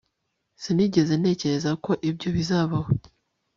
Sinigeze ntekereza ko ibyo bizabaho